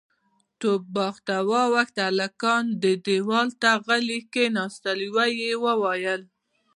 توپ باغ ته واوښت، هلکان دېوال ته غلي کېناستل، يوه وويل: